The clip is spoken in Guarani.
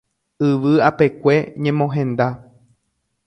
Yvy apekue ñemohenda.